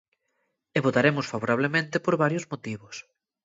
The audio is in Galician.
E votaremos favorablemente por varios motivos.